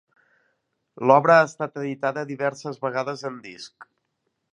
L'obra ha estat editada diverses vegades en disc.